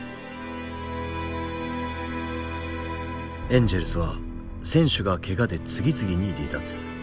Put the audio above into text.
エンジェルスは選手がケガで次々に離脱。